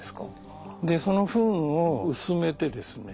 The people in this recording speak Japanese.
そのフンを薄めてですね